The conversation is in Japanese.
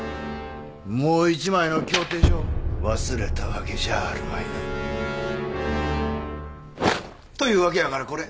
もう１枚の協定書忘れたわけじゃあるまいな？というわけやからこれ。